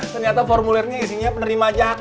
ternyata formulirnya isinya penderima jadkat